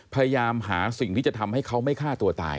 พยายามหาสิ่งที่จะทำให้เขาไม่ฆ่าตัวตาย